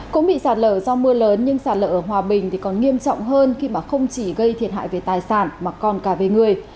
cũng bị sạt lở do mưa lớn nhưng sạt lở ở hòa bình thì còn nghiêm trọng hơn khi mà không chỉ gây thiệt hại về tài sản mà còn cả về người